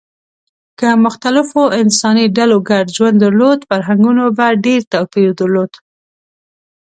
که مختلفو انساني ډلو ګډ ژوند درلود، فرهنګونو به ډېر توپیر درلود.